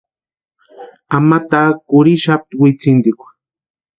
Ama taa kurhixapti witsintikwa.